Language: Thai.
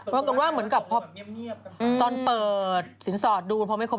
ก็คือว่าเหมือนกับตอนเปิดศิลป์สอดดูพอไม่ครบ